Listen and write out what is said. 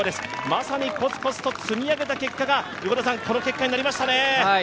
まさにコツコツと積み上げた結果がこの結果になりましたね。